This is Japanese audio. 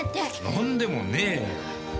何でもねえよ。